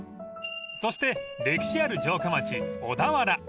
［そして歴史ある城下町小田原］